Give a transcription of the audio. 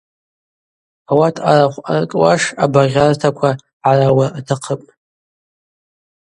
Ауат арахв ъаркӏуаш абагъьартаква гӏараура атахъыпӏ.